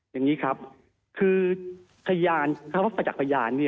อย่างนี้ครับคือพยานคำว่าประจักษ์พยาน